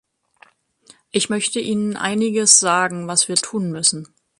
Ich möchte Ihnen einiges sagen, was wir tun müssen.